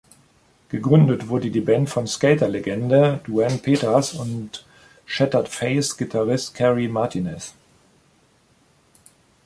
Gegründet wurde die Band von Skater-Legende Duane Peters und Shattered Faith Gitarristen Kerry Martinez.